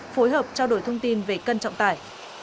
phối hợp trao đổi thông tin về cân trọng tải